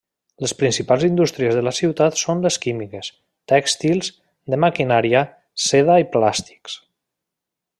Les principals indústries de la ciutat són les químiques, tèxtils, de maquinària, seda i plàstics.